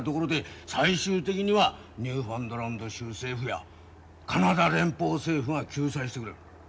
最終的にはニューファンドランド州政府やカナダ連邦政府が救済してくれる。